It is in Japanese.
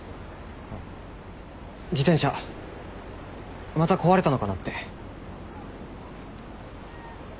あ自転車また壊れたのかなって。